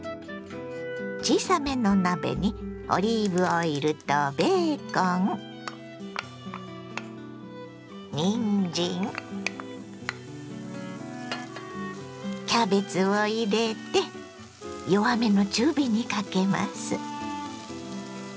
小さめの鍋にオリーブオイルとベーコンにんじんキャベツを入れて弱めの中火にかけます。